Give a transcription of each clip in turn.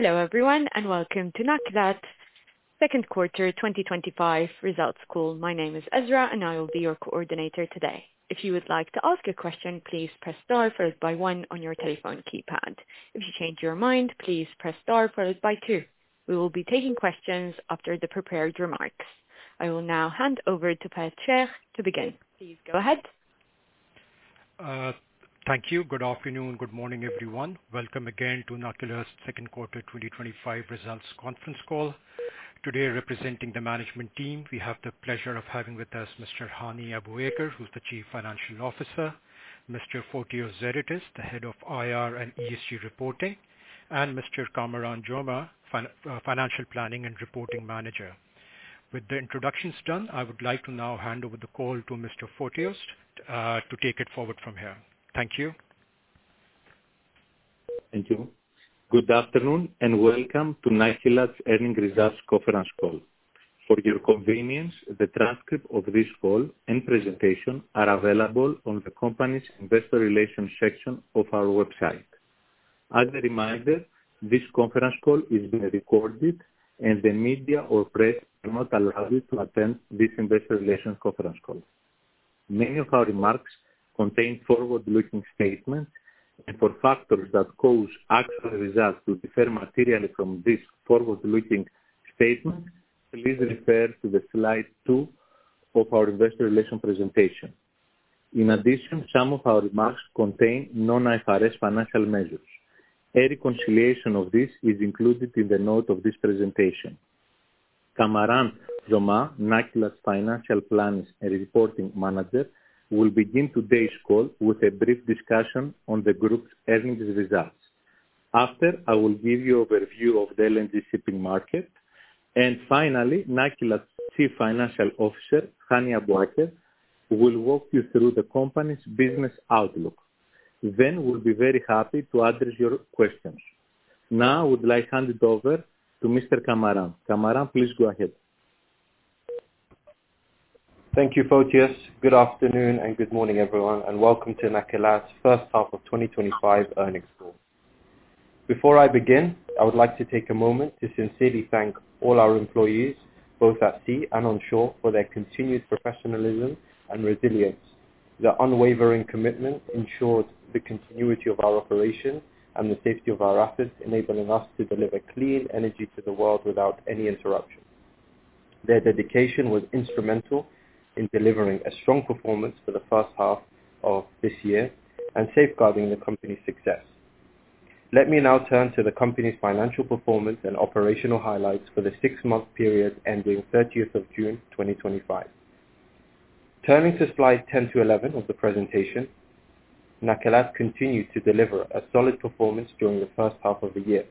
Hello everyone and welcome to Nakilat Second Quarter 2025 Results Call. My name is Ezra and I will be your coordinator today. If you would like to ask a question, please press star followed by one on your telephone keypad. If you change your mind, please press star followed by two. We will be taking questions after the prepared remarks. I will now hand over to The Chair to begin. Please go ahead. Thank you. Good afternoon, good morning everyone. Welcome again to Nakilat Second Quarter 2025 Results Conference Call. Today, representing the management team, we have the pleasure of having with us Mr. Hani Abuaker, who's the Chief Financial Officer, Mr. Fotios Zeritis, the Head of IR and ESG Reporting, and Mr. Kamaran Jomah, Financial Planning and Reporting Manager. With the introductions done, I would like to now hand over the call to Mr. Fotios to take it forward from here. Thank you. Thank you. Good afternoon and welcome to Nakilat Earnings Results Conference Call. For your convenience, the transcript of this call and presentation are available on the company's investor relations section of our website. As a reminder, this conference call is being recorded and the media or press will not allow you to attend this investor relations conference call. Many of our remarks contain forward-looking statements, and for factors that cause actual results to differ materially from these forward-looking statements, please refer to the slide two of our investor relations presentation. In addition, some of our remarks contain non-IFRS financial measures. A reconciliation of this is included in the note of this presentation. Kamaran Jomah, Nakilat Financial Planning and Reporting Manager, will begin today's call with a brief discussion on the group's earnings results. After, I will give you a review of the LNG shipping market. Finally, Nakilat's Chief Financial Officer, Hani Abu Aker, will walk you through the company's business outlook. We will be very happy to address your questions. Now, I would like to hand it over to Mr. Kamaran. Kamaran, please go ahead. Thank you, Fotios. Good afternoon and good morning everyone, and welcome to Nakilat First Half of 2025 Earnings Call. Before I begin, I would like to take a moment to sincerely thank all our employees, both at sea and onshore, for their continued professionalism and resilience. Their unwavering commitment ensured the continuity of our operation and the safety of our assets, enabling us to deliver clean energy to the world without any interruption. Their dedication was instrumental in delivering a strong performance for the first half of this year and safeguarding the company's success. Let me now turn to the company's financial performance and operational highlights for the six-month period ending 30th of June 2025. Turning to slide 10 to 11 of the presentation, Nakilat continued to deliver a solid performance during the first half of the year.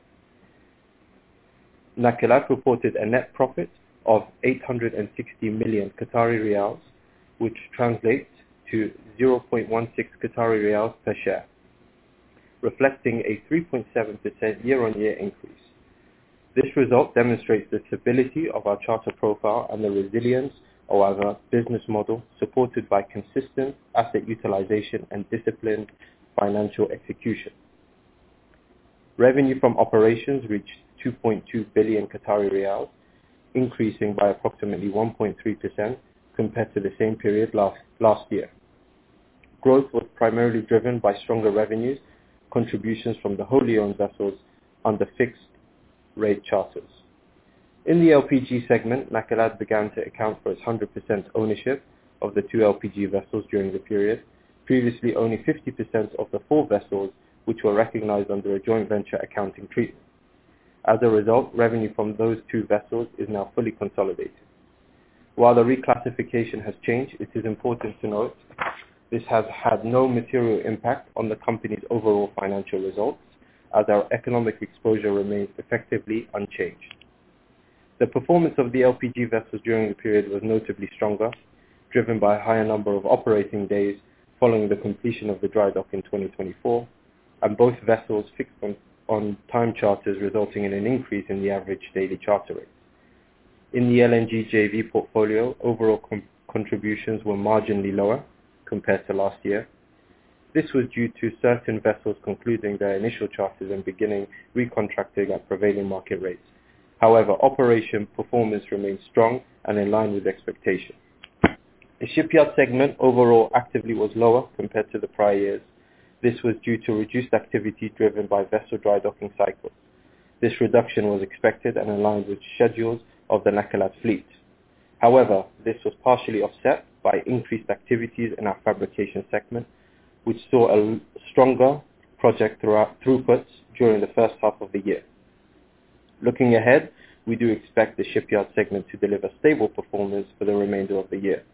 Nakilat reported a net profit of 860 million Qatari riyals, which translates to 0.16 Qatari riyals per share, reflecting a 3.7% year-on-year increase. This result demonstrates the stability of our charter profile and the resilience of our business model, supported by consistent asset utilization and disciplined financial execution. Revenue from operations reached 2.2 billion Qatari riyals, increasing by approximately 1.3% compared to the same period last year. Growth was primarily driven by stronger revenue contributions from the wholly owned vessels under fixed-rate charters. In the LPG segment, Nakilat began to account for its 100% ownership of the two LPG vessels during the period, previously only 50% of the four vessels which were recognized under a joint venture accounting treatment. As a result, revenue from those two vessels is now fully consolidated. While the reclassification has changed, it is important to note this has had no material impact on the company's overall financial results, as our economic exposure remains effectively unchanged. The performance of the LPG vessels during the period was notably stronger, driven by a higher number of operating days following the completion of the dry dock in 2024, and both vessels fixed-on-time charters resulting in an increase in the average daily charter rate. In the LNG JV portfolio, overall contributions were marginally lower compared to last year. This was due to certain vessels concluding their initial charters and beginning recontracting at prevailing market rates. However, operation performance remained strong and in line with expectations. The shipyard segment overall activity was lower compared to the prior years. This was due to reduced activity driven by vessel dry docking cycles. This reduction was expected and aligned with schedules of the Nakilat fleet. However, this was partially offset by increased activities in our fabrication segment, which saw a stronger project throughput during the first half of the year. Looking ahead, we do expect the shipyard segment to deliver stable performance for the remainder of the year.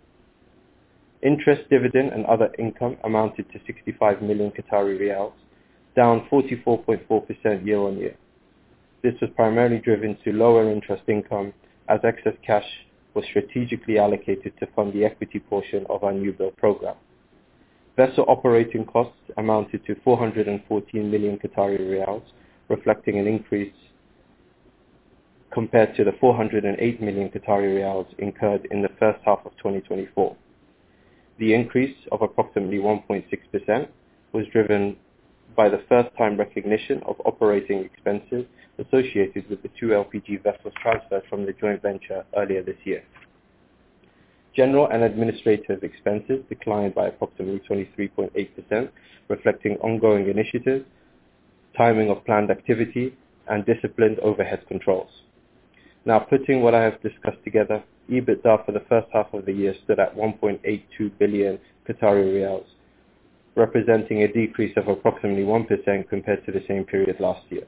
Interest, dividend, and other income amounted to 65 million Qatari riyals, down 44.4% year-on-year. This was primarily driven by lower interest income, as excess cash was strategically allocated to fund the equity portion of our new build program. Vessel operating costs amounted to 414 million Qatari riyals, reflecting an increase compared to the 408 million Qatari riyals incurred in the first half of 2024. The increase of approximately 1.6% was driven by the first-time recognition of operating expenses associated with the two LPG vessels transferred from the joint venture earlier this year. General and administrative expenses declined by approximately 23.8%, reflecting ongoing initiative, timing of planned activity, and disciplined overhead controls. Now, putting what I have discussed together, EBITDA for the first half of the year stood at 1.82 billion Qatari riyals, representing a decrease of approximately 1% compared to the same period last year.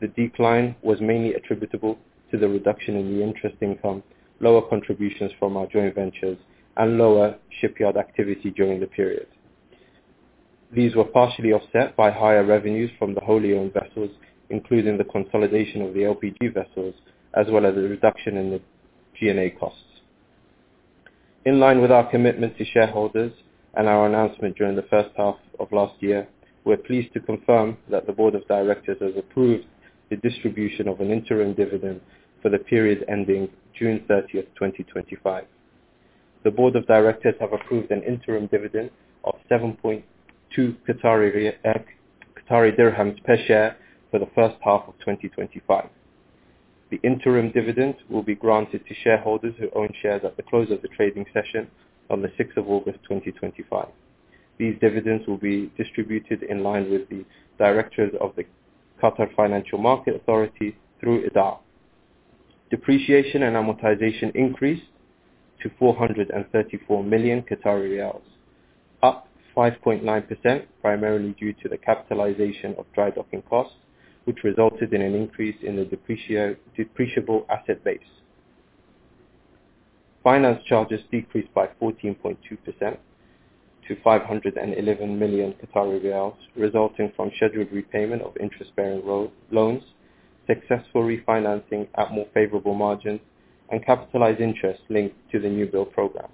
The decline was mainly attributable to the reduction in the interest income, lower contributions from our joint ventures, and lower shipyard activity during the period. These were partially offset by higher revenues from the wholly owned vessels, including the consolidation of the LPG vessels, as well as a reduction in the G&A costs. In line with our commitment to shareholders and our announcement during the first half of last year, we're pleased to confirm that the Board of Directors has approved the distribution of an interim dividend for the period ending June 30th, 2025. The Board of Directors have approved an interim dividend of 7.2 per share for the first half of 2025. The interim dividend will be granted to shareholders who own shares at the close of the trading session on the 6th of August 2025. These dividends will be distributed in line with the directives of the Qatar Financial Markets Authority through Edaa. Depreciation and amortization increased to 434 million, up 5.9%, primarily due to the capitalization of dry docking costs, which resulted in an increase in the depreciable asset base. Finance charges decreased by 14.2% to 511 million Qatari riyals, resulting from scheduled repayment of interest-bearing loans, successful refinancing at more favorable margins, and capitalized interest linked to the new build program.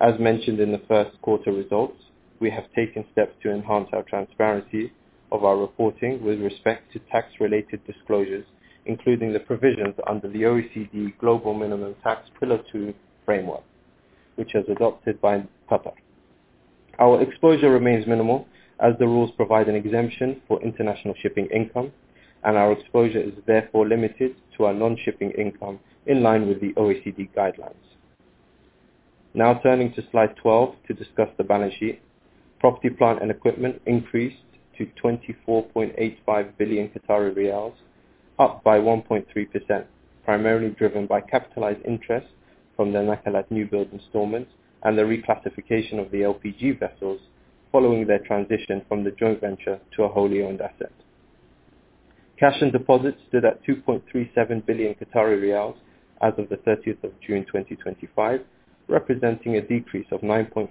As mentioned in the first quarter results, we have taken steps to enhance our transparency of our reporting with respect to tax-related disclosures, including the provisions under the OECD Global Minimum Tax Pillar Two framework, which has adopted by Qatar. Our exposure remains minimal, as the rules provide an exemption for international shipping income, and our exposure is therefore limited to our non-shipping income in line with the OECD guidelines. Now turning to slide 12 to discuss the balance sheet, property, plant and equipment increased to 24.85 billion Qatari riyals, up by 1.3%, primarily driven by capitalized interest from the Nakilat new build installments and the reclassification of the LPG vessels following their transition from the joint venture to a wholly owned asset. Cash and deposits stood at 2.37 billion Qatari riyals as of the 30th of June 2025, representing a decrease of 9.5%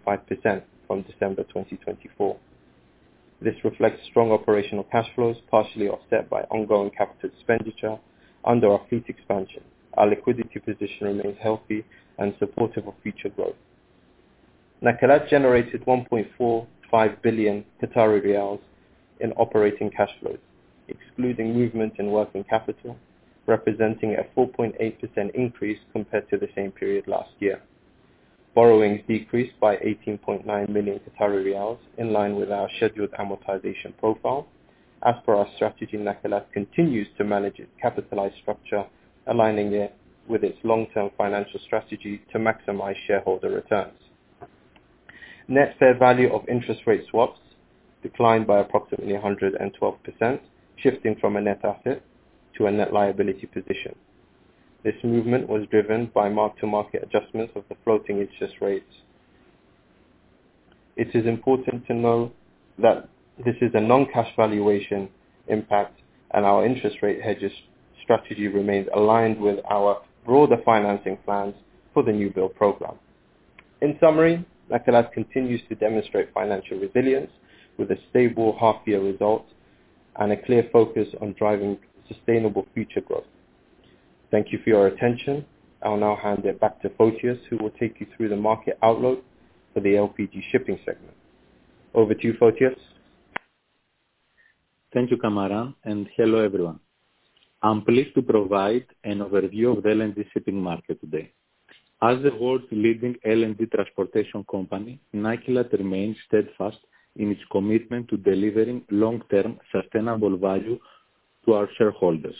from December 2024. This reflects strong operational cash flows, partially offset by ongoing capital expenditure under our fleet expansion. Our liquidity position remains healthy and supportive of future growth. Nakilat generated 1.45 billion Qatari riyals in operating cash flows, excluding movement and working capital, representing a 4.8% increase compared to the same period last year. Borrowings decreased by 18.9 million Qatari riyals, in line with our scheduled amortization profile. As per our strategy, Nakilat continues to manage its capital structure, aligning it with its long-term financial strategy to maximize shareholder returns. Net fair value of interest rate swaps declined by approximately 112%, shifting from a net asset to a net liability position. This movement was driven by mark-to-market adjustments of the floating interest rates. It is important to know that this is a non-cash valuation impact, and our interest rate hedges strategy remains aligned with our broader financing plans for the new build program. In summary, Nakilat continues to demonstrate financial resilience with a stable half-year result and a clear focus on driving sustainable future growth. Thank you for your attention. I'll now hand it back to Fotios, who will take you through the market outlook for the LPG shipping segment. Over to you, Fotios. Thank you, Kamaran, and hello everyone. I'm pleased to provide an overview of the LNG shipping market today. As the world's leading LNG transportation company, Nakilat remains steadfast in its commitment to delivering long-term sustainable value to our shareholders.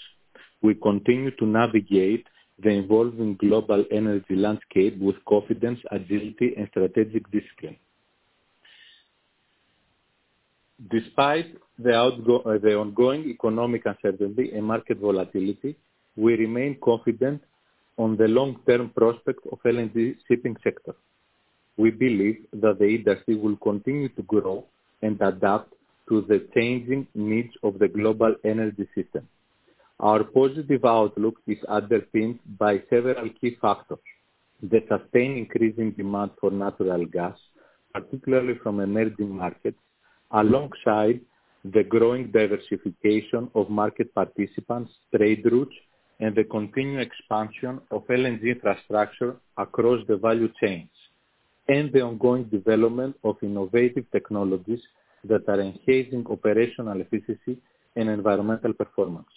We continue to navigate the evolving global energy landscape with confidence, agility, and strategic discipline. Despite the ongoing economic uncertainty and market volatility, we remain confident on the long-term prospects of the LNG shipping sector. We believe that the industry will continue to grow and adapt to the changing needs of the global energy system. Our positive outlook is underpinned by several key factors: the sustained increase in demand for natural gas, particularly from emerging markets, alongside the growing diversification of market participants' trade routes, and the continued expansion of LNG infrastructure across the value chains, and the ongoing development of innovative technologies that are enhancing operational efficiency and environmental performance.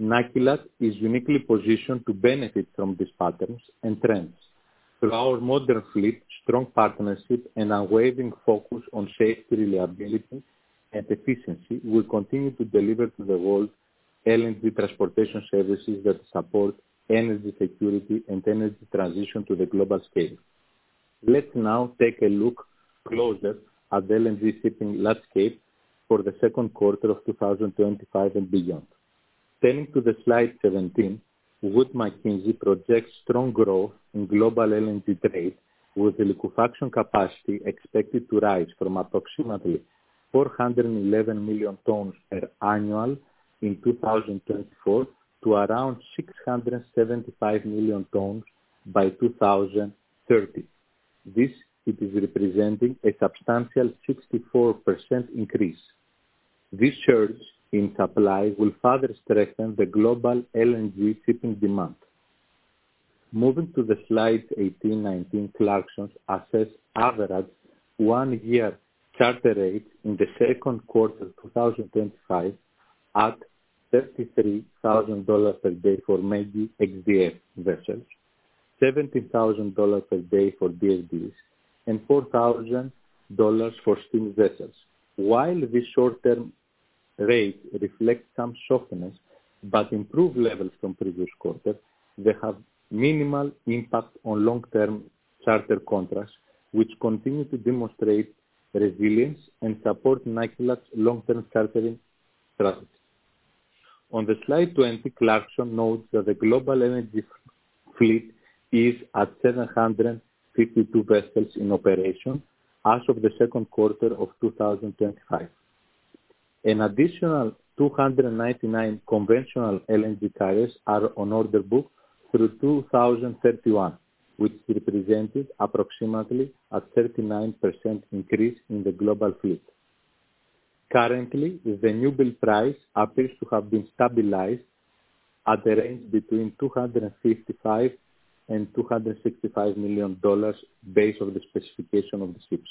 Nakilat is uniquely positioned to benefit from these patterns and trends. Through our modern fleet, strong partnership, and unwavering focus on safety, reliability, and efficiency, we continue to deliver to the world LNG transportation services that support energy security and energy transition to the global scale. Let's now take a look closer at the LNG shipping landscape for the second quarter of 2025 and beyond. Turning to the slide 17, Wood Mackenzie projects strong growth in global LNG trade, with liquefaction capacity expected to rise from approximately 411 million tons per annum in 2024 to around 675 million tons by 2030. This is representing a substantial 64% increase. This surge in supply will further strengthen the global LNG shipping demand. Moving to the slide 18-19, Clarksons assesses average one-year charter rates in the second quarter of 2025 at $33,000 per day for major X-DF vessels, $17,000 per day for DFDEs, and $4,000 for steam vessels. While these short-term rates reflect some softness but improved levels from previous quarters, they have minimal impact on long-term charter contracts, which continue to demonstrate resilience and support Nakilat's long-term chartering strategy. On the slide 20, Clarksons notes that the global energy fleet is at 752 vessels in operation as of the second quarter of 2025. An additional 299 conventional LNG carriers are on order book through 2031, which represents approximately a 39% increase in the global fleet. Currently, the new build price appears to have been stabilized at a range between $255-$265 million based on the specification of the ships.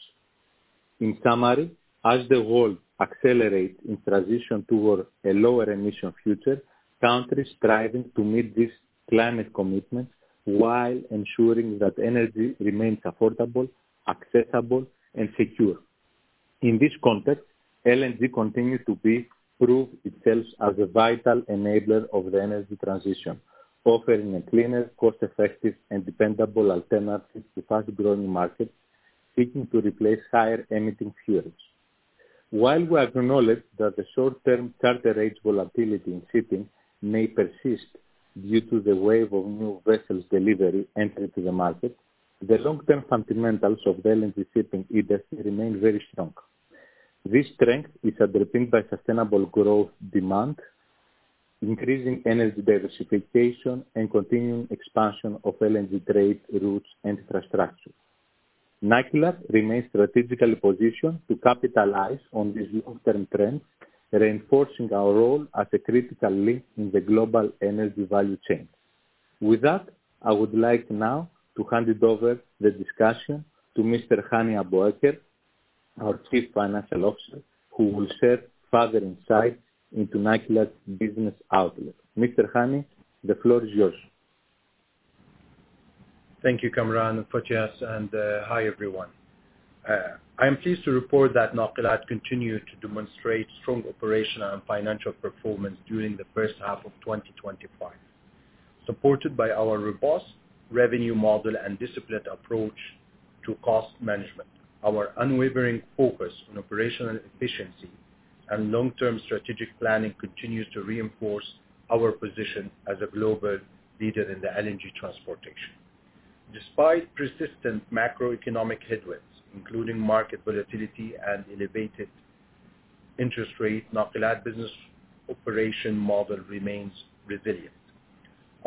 In summary, as the world accelerates in transition toward a lower emission future, countries strive to meet these climate commitments while ensuring that energy remains affordable, accessible, and secure. In this context, LNG continues to prove itself as a vital enabler of the energy transition, offering a cleaner, cost-effective, and dependable alternative to fast-growing markets seeking to replace higher emitting fuels. While we acknowledge that the short-term charter rate volatility in shipping may persist due to the wave of new vessels delivery entering the market, the long-term fundamentals of the LNG shipping industry remain very strong. This strength is underpinned by sustainable growth demand, increasing energy diversification, and continuing expansion of LNG trade routes and infrastructure. Nakilat remains strategically positioned to capitalize on these long-term trends, reinforcing our role as a critical link in the global energy value chain. With that, I would like now to hand over the discussion to Mr. Hani Abu Aker, our Chief Financial Officer, who will share further insights into Nakilat's business outlook. Mr. Hani, the floor is yours. Thank you, Kamaran, Fotios, and hi everyone. I am pleased to report that Nakilat continues to demonstrate strong operational and financial performance during the first half of 2025, supported by our robust revenue model and disciplined approach to cost management. Our unwavering focus on operational efficiency and long-term strategic planning continues to reinforce our position as a global leader in the LNG transportation. Despite persistent macroeconomic headwinds, including market volatility and elevated interest rates, Nakilat's business operation model remains resilient.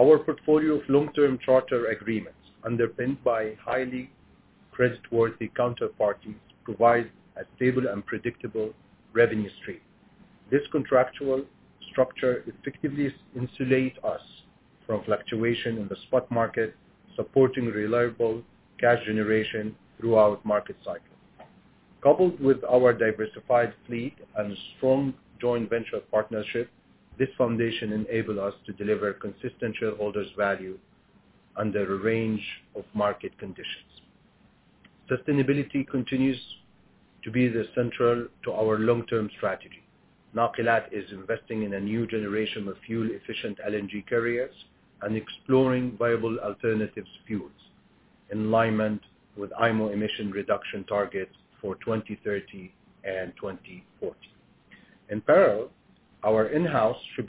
Our portfolio of long-term charter agreements, underpinned by highly creditworthy counterparties, provides a stable and predictable revenue stream. This contractual structure effectively insulates us from fluctuation in the spot market, supporting reliable cash generation throughout market cycles. Coupled with our diversified fleet and strong joint venture partnership, this foundation enables us to deliver consistent shareholders' value under a range of market conditions. Sustainability continues to be central to our long-term strategy. Nakilat is investing in a new generation of fuel-efficient LNG carriers and exploring viable alternative fuels in alignment with IMO emission reduction targets for 2030 and 2040. In parallel, our in-house ship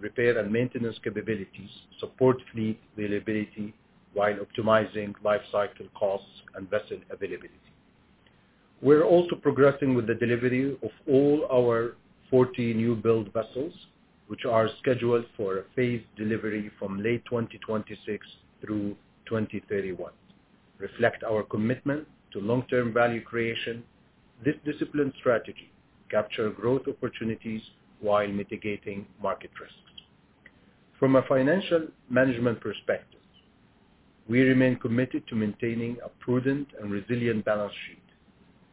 repair and maintenance capabilities support fleet availability while optimizing lifecycle costs and vessel availability. We're also progressing with the delivery of all our 40 new build vessels, which are scheduled for phased delivery from late 2026 through 2031. Reflecting our commitment to long-term value creation, this disciplined strategy captures growth opportunities while mitigating market risks. From a financial management perspective, we remain committed to maintaining a prudent and resilient balance sheet.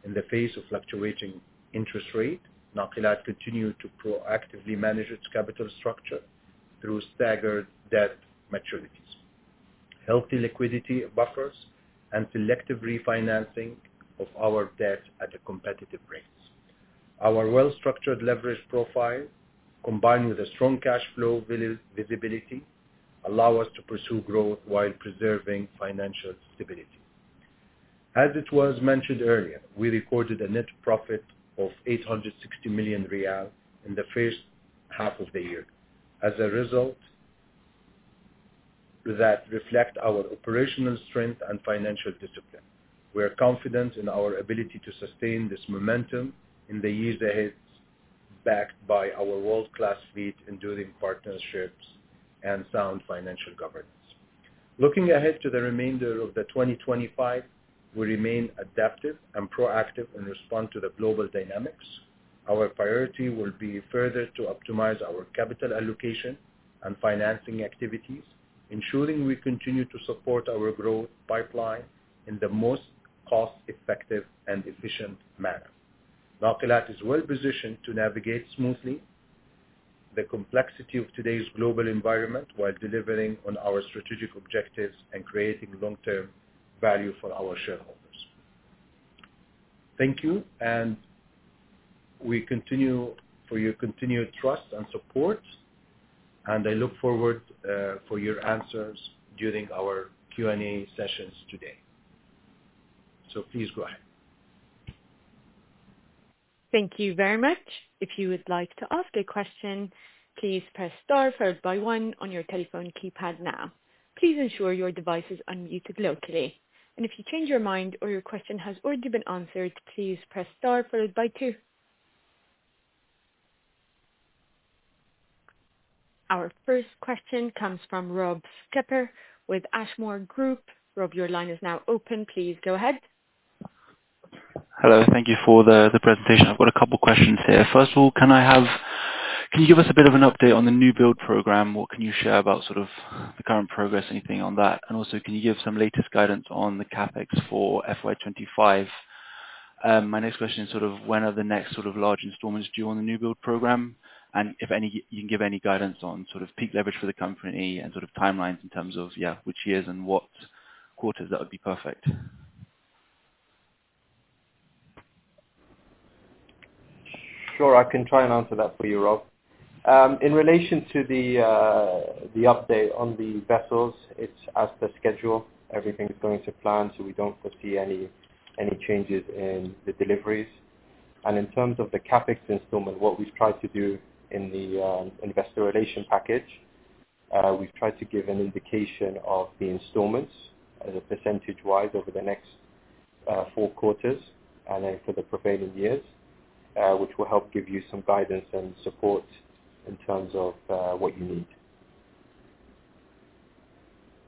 In the face of fluctuating interest rates, Nakilat continues to proactively manage its capital structure through staggered debt maturities, healthy liquidity buffers, and selective refinancing of our debt at a competitive rate. Our well-structured leverage profiles, combined with strong cash flow visibility, allow us to pursue growth while preserving financial stability. As it was mentioned earlier, we recorded a net profit of 860 million riyal in the first half of the year. As a result, that reflects our operational strength and financial discipline. We are confident in our ability to sustain this momentum in the years ahead, backed by our world-class fleet and enduring partnerships and sound financial governance. Looking ahead to the remainder of 2025, we remain adaptive and proactive in response to the global dynamics. Our priority will be further to optimize our capital allocation and financing activities, ensuring we continue to support our growth pipeline in the most cost-effective and efficient manner. Nakilat is well-positioned to navigate smoothly the complexity of today's global environment while delivering on our strategic objectives and creating long-term value for our shareholders. Thank you for your continued trust and support, and I look forward to your questions during our Q&A session today, so please go ahead. Thank you very much. If you would like to ask a question, please press star followed by one on your telephone keypad now. Please ensure your device is unmuted locally, and if you change your mind or your question has already been answered, please press star followed by two. Our first question comes from Rob Skepper with Ashmore Group. Rob, your line is now open. Please go ahead. Hello. Thank you for the presentation. I've got a couple of questions here. First of all, can you give us a bit of an update on the new build program? What can you share about sort of the current progress, anything on that? And also, can you give some latest guidance on the CapEx for FY25? My next question is sort of when are the next sort of large installments due on the new build program? And if any, you can give any guidance on sort of peak leverage for the company and sort of timelines in terms of, yeah, which years and what quarters that would be perfect. Sure. I can try and answer that for you, Rob. In relation to the update on the vessels, it's as per schedule. Everything is going to plan, so we don't foresee any changes in the deliveries. And in terms of the CapEx installment, what we've tried to do in the investor relations package, we've tried to give an indication of the installments as a percentage-wise over the next four quarters and then for the prevailing years, which will help give you some guidance and support in terms of what you need.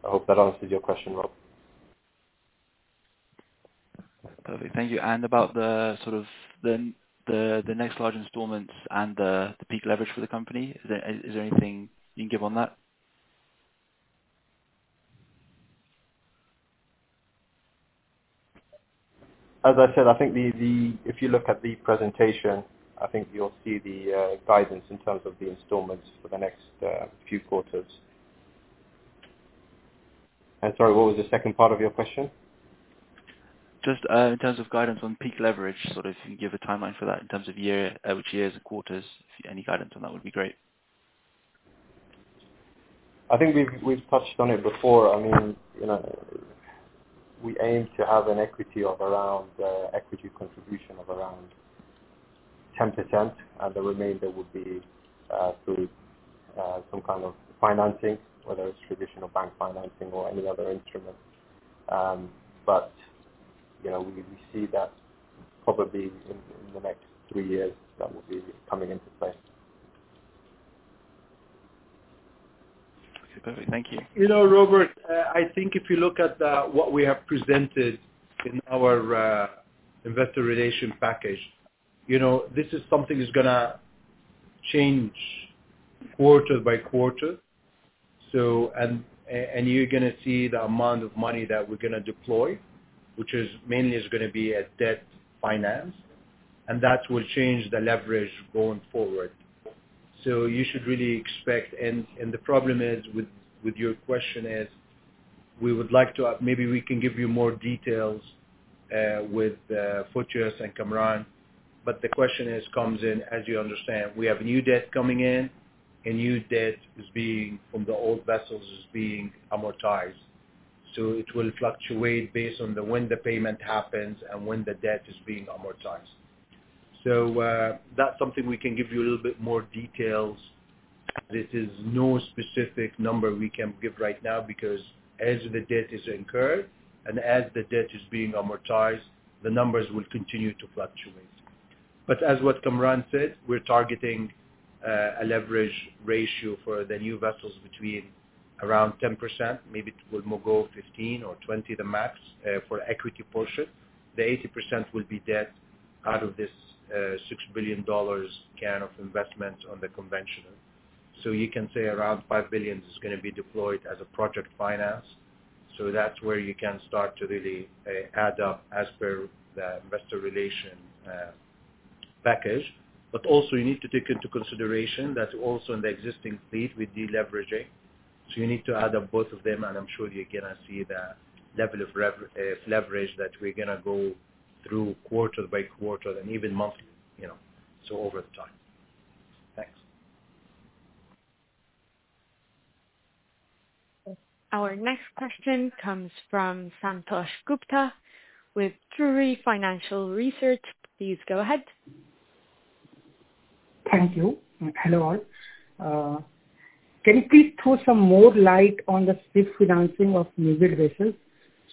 I hope that answers your question, Rob. Perfect. Thank you. And about the sort of the next large installments and the peak leverage for the company, is there anything you can give on that? As I said, I think if you look at the presentation, I think you'll see the guidance in terms of the installments for the next few quarters. And sorry, what was the second part of your question? Just in terms of guidance on peak leverage, sort of if you can give a timeline for that in terms of which years and quarters, any guidance on that would be great? I think we've touched on it before. I mean, we aim to have an equity of around equity contribution of around 10%, and the remainder would be through some kind of financing, whether it's traditional bank financing or any other instrument. But we see that probably in the next three years that will be coming into play. Okay. Perfect. Thank you. You know, Robert, I think if you look at what we have presented in our investor relations package, this is something that's going to change quarter by quarter. You're going to see the amount of money that we're going to deploy, which mainly is going to be at debt finance, and that will change the leverage going forward. You should really expect. The problem with your question is we would like to maybe we can give you more details with Fotios and Kamaran, but the question comes in, as you understand, we have new debt coming in, and new debt is being from the old vessels is being amortized. It will fluctuate based on when the payment happens and when the debt is being amortized. That's something we can give you a little bit more details. This is no specific number we can give right now because as the debt is incurred and as the debt is being amortized, the numbers will continue to fluctuate. But as what Kamaran said, we're targeting a leverage ratio for the new vessels between around 10%. Maybe it will go 15%-20%, the max for equity portion. The 80% will be debt out of this $6 billion can of investment on the conventional. So you can say around $5 billion is going to be deployed as a project finance. So that's where you can start to really add up as per the investor relation package. But also, you need to take into consideration that also in the existing fleet, we're deleveraging. So you need to add up both of them, and I'm sure you're going to see the level of leverage that we're going to go through quarter by quarter and even monthly, so over time. Thanks. Our next question comes from Santosh Gupta with Drewry Financial Research. Please go ahead. Thank you. Hello all. Can you please throw some more light on the Sukuk financing of new build vessels?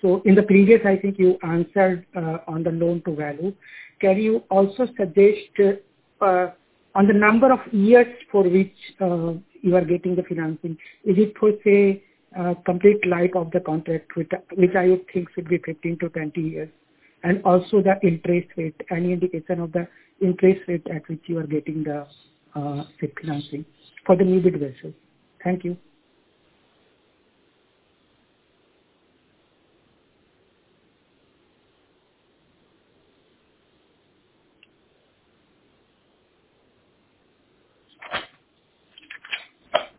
So in the previous, I think you answered on the loan to value. Can you also suggest on the number of years for which you are getting the financing? Is it for, say, complete life of the contract, which I would think should be 15-20 years? And also the interest rate, any indication of the interest rate at which you are getting the Sukuk financing for the new build vessels? Thank you.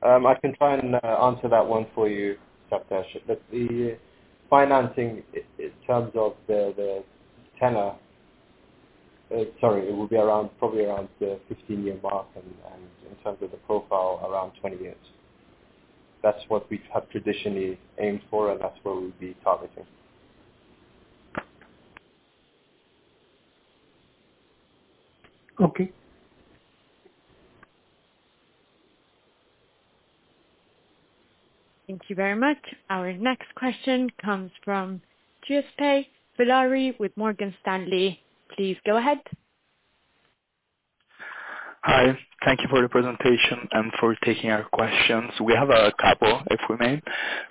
I can try and answer that one for you, Santosh. But the financing in terms of the tenor, sorry, it will be probably around the 15-year mark and in terms of the profile, around 20 years. That's what we have traditionally aimed for, and that's what we'll be targeting. Okay. Thank you very much. Our next question comes from Giuseppe Villari with Morgan Stanley. Please go ahead. Hi. Thank you for the presentation and for taking our questions. We have a couple, if we may.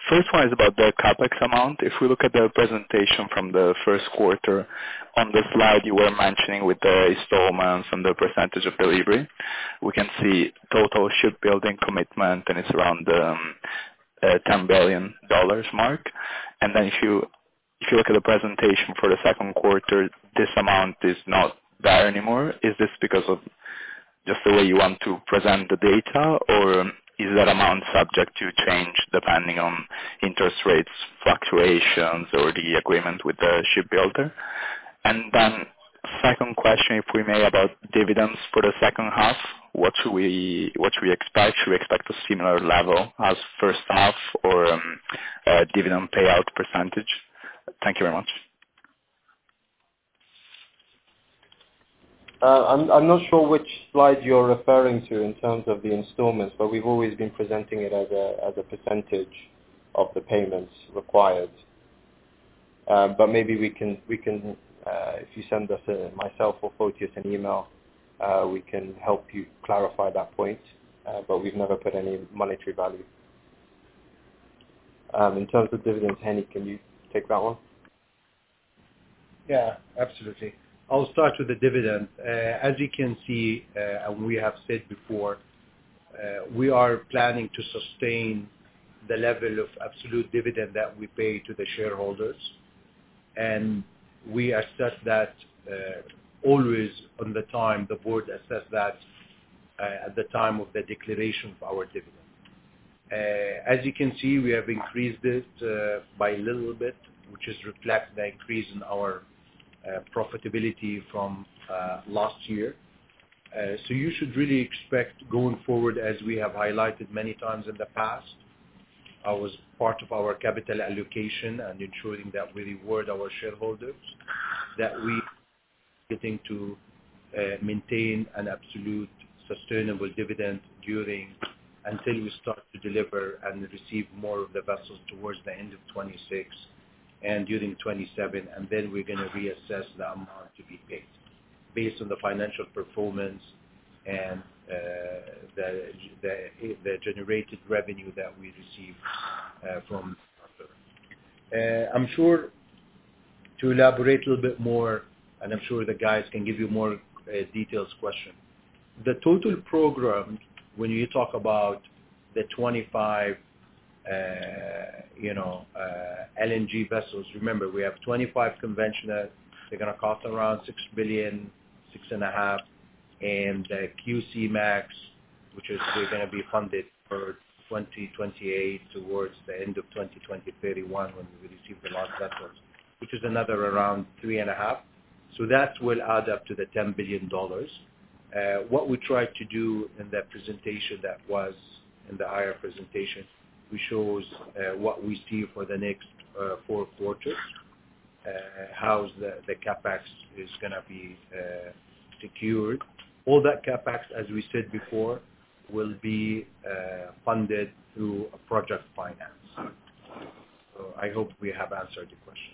First one is about the CapEx amount. If we look at the presentation from the first quarter, on the slide you were mentioning with the installments and the percentage of delivery, we can see total shipbuilding commitment, and it's around the $10 billion mark. And then if you look at the presentation for the second quarter, this amount is not there anymore. Is this because of just the way you want to present the data, or is that amount subject to change depending on interest rates fluctuations or the agreement with the shipbuilder? And then second question, if we may, about dividends for the second half. What should we expect? Should we expect a similar level as first half or dividend payout percentage? Thank you very much. I'm not sure which slide you're referring to in terms of the installments, but we've always been presenting it as a percentage of the payments required. But maybe we can, if you send us an email to myself or Fotios, we can help you clarify that point. But we've never put any monetary value. In terms of dividends, Hani, can you take that one? Yeah, absolutely. I'll start with the dividends. As you can see, and we have said before, we are planning to sustain the level of absolute dividend that we pay to the shareholders. And we assess that always on the time the board assessed that at the time of the declaration of our dividend. As you can see, we have increased it by a little bit, which is reflecting the increase in our profitability from last year. So you should really expect going forward, as we have highlighted many times in the past, I was part of our capital allocation and ensuring that we reward our shareholders, that we are getting to maintain an absolute sustainable dividend until we start to deliver and receive more of the vessels towards the end of 2026 and during 2027. And then we're going to reassess the amount to be paid based on the financial performance and the generated revenue that we receive from. I'm sure to elaborate a little bit more, and I'm sure the guys can give you more details question. The total program, when you talk about the 25 LNG vessels, remember we have 25 conventional. They're going to cost around $6 billion-$6.5 billion, and QC-Max, which we're going to be funded for 2028 towards the end of 2030-2031 when we receive the large vessels, which is another around $3.5 billion. So that will add up to the $10 billion. What we tried to do in the presentation that was in the IR presentation, we chose what we see for the next four quarters, how the CapEx is going to be secured. All that CapEx, as we said before, will be funded through project finance. So I hope we have answered the question.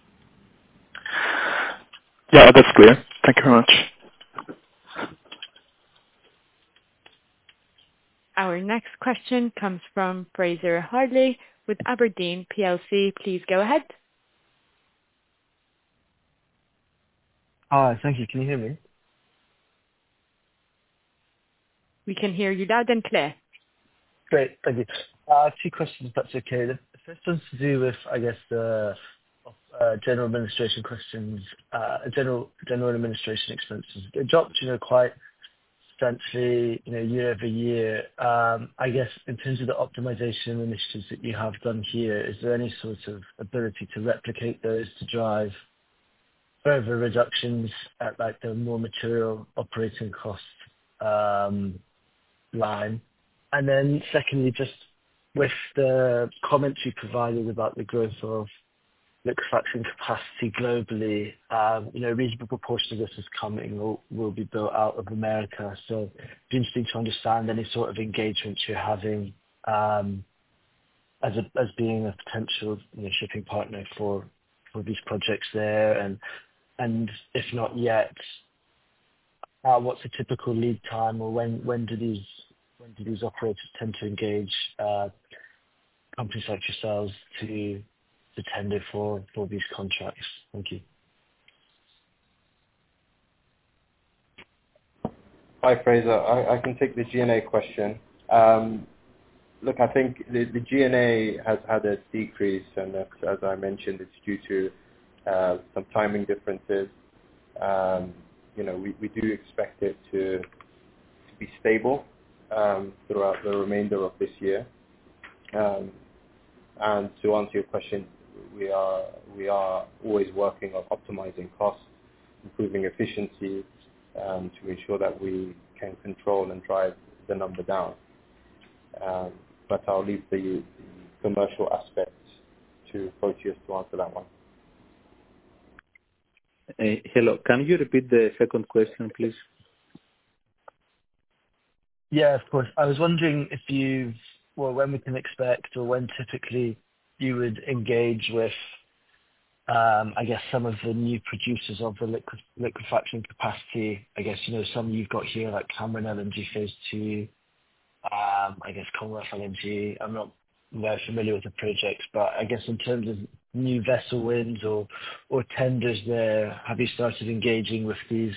Yeah, that's clear. Thank you very much. Our next question comes from Fraser Harle with Aberdeen plc. Please go ahead. Hi, thank you. Can you hear me? We can hear you loud and clear. Great. Thank you. Two questions, if that's okay. The first one's to do with, I guess, general administration expenses. The G&A is quite substantially year-over-year. I guess in terms of the optimization initiatives that you have done here, is there any sort of ability to replicate those to drive further reductions at the more material operating cost line? And then secondly, just with the comments you provided about the growth of liquefaction capacity globally, a reasonable proportion of this is coming or will be built out of America. So it'd be interesting to understand any sort of engagements you're having as being a potential shipping partner for these projects there. And if not yet, what's the typical lead time or when do these operators tend to engage companies like yourselves to tender for these contracts? Thank you. Hi, Fraser. I can take the G&A question. Look, I think the G&A has had a decrease, and as I mentioned, it's due to some timing differences. We do expect it to be stable throughout the remainder of this year. And to answer your question, we are always working on optimizing costs, improving efficiency to ensure that we can control and drive the number down. But I'll leave the commercial aspect to Fotios to answer that one. Hello. Can you repeat the second question, please? Yeah, of course. I was wondering if you've, well, when we can expect or when typically you would engage with, I guess, some of the new producers of the liquefaction capacity, I guess some you've got here like Cameron LNG Phase 2, I guess Corpus Christi LNG. I'm not very familiar with the projects, but I guess in terms of new vessel wins or tenders there, have you started engaging with these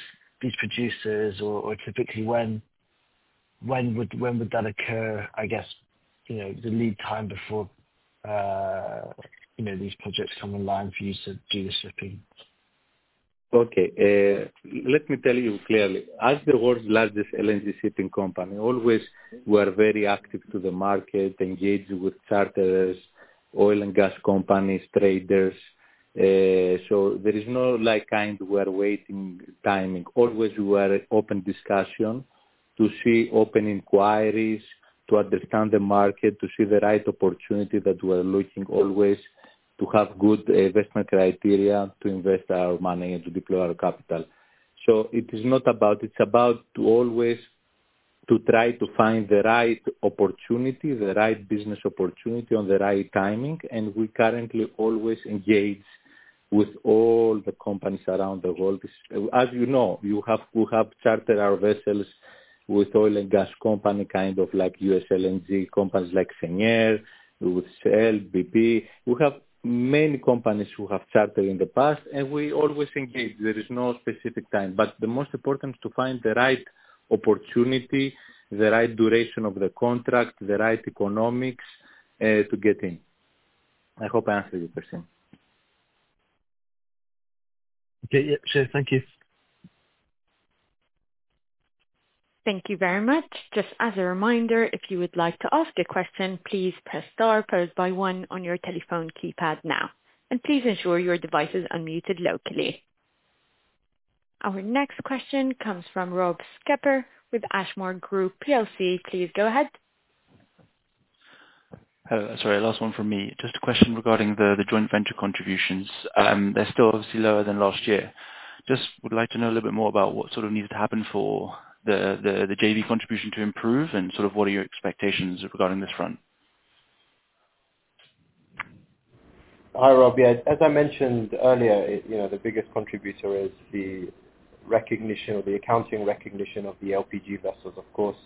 producers? Or typically when would that occur, I guess, the lead time before these projects come online for you to do the shipping? Okay. Let me tell you clearly. As the world's largest LNG shipping company, always we are very active to the market, engaged with charters, oil and gas companies, traders. So there is no like kind of we're waiting timing. Always we're open discussion to see open inquiries, to understand the market, to see the right opportunity that we're looking, always to have good investment criteria to invest our money and to deploy our capital. So it is not about it's about always to try to find the right opportunity, the right business opportunity on the right timing. And we currently always engage with all the companies around the world. As you know, we have chartered our vessels with oil and gas company kind of like US LNG companies like Cheniere, with Shell, BP. We have many companies who have chartered in the past, and we always engage. There is no specific time, but the most important is to find the right opportunity, the right duration of the contract, the right economics to get in. I hope I answered your question. Okay. Chair, thank you. Thank you very much. Just as a reminder, if you would like to ask a question, please press star followed by one on your telephone keypad now. And please ensure your device is unmuted locally. Our next question comes from Rob Skepper with Ashmore Group plc. Please go ahead. Hello. Sorry, last one from me. Just a question regarding the joint venture contributions. They're still obviously lower than last year. Just would like to know a little bit more about what sort of needs to happen for the JV contribution to improve and sort of what are your expectations regarding this front? Hi, Rob. Yeah, as I mentioned earlier, the biggest contributor is the recognition or the accounting recognition of the LPG vessels. Of course,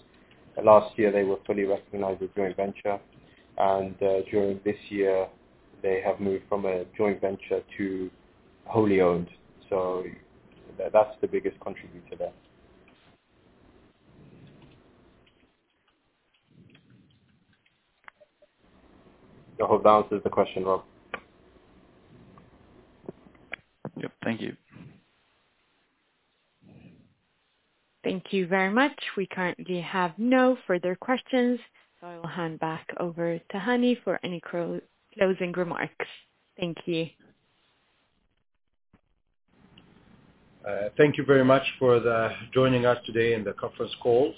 last year they were fully recognized as joint venture. And during this year, they have moved from a joint venture to wholly owned. So that's the biggest contributor there. I hope that answers the question, Rob. Yep. Thank you. Thank you very much. We currently have no further questions. So I will hand back over to Hani for any closing remarks. Thank you. Thank you very much for joining us today in the conference calls.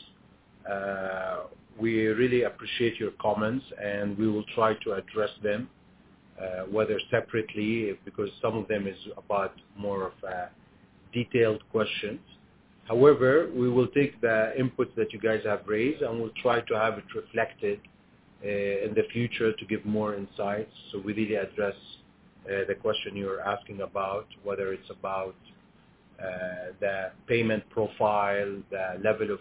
We really appreciate your comments, and we will try to address them whether separately because some of them are about more of detailed questions. However, we will take the inputs that you guys have raised and will try to have it reflected in the future to give more insights. So we did address the question you were asking about, whether it's about the payment profile, the level of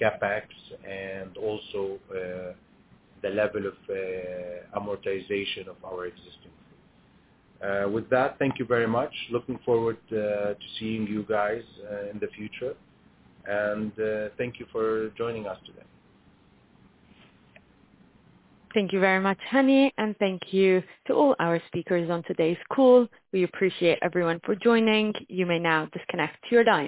CapEx, and also the level of amortization of our existing funds. With that, thank you very much. Looking forward to seeing you guys in the future, and thank you for joining us today. Thank you very much, Henny. And thank you to all our speakers on today's call. We appreciate everyone for joining. You may now disconnect to your line.